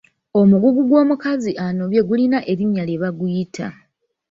Omugugu gw’omukazi anobye gulina erinnya lye baguyita.